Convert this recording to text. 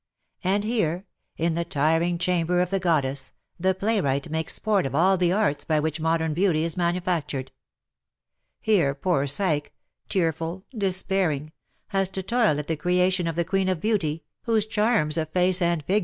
And here, in the tiring chamber of the goddess, the playwright makes sport of all the arts by which modern beauty is manufactured. Here poor Psyche — tearful, despairing — has to toil at the creation of the Queen of Beauty, whose charms of face and figure VOL.